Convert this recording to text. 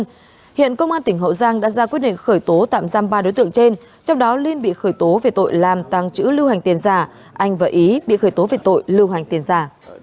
cơ quan công an tỉnh hậu giang đã ra quyết định khởi tố tạm giam ba đối tượng trên trong đó linh bị khởi tố về tội làm tàng trữ lưu hành tiền giả anh và ý bị khởi tố về tội lưu hành tiền giả